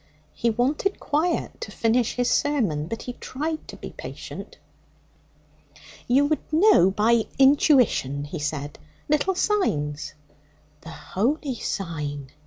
He wanted quiet to finish his sermon, but he tried to be patient. 'You would know by intuition,' he said, 'little signs.' 'The Holy Sign!'